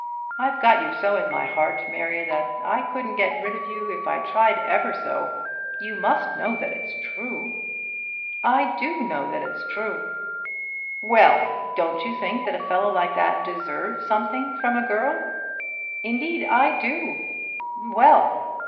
I've got you so in my heart, Mary, that I couldn't get rid of you if I tried ever so. You must know that it's true." "I do know that it's true." "Well! Don't you think that a fellow like that deserves something from a girl?" "Indeed I do." "Well!"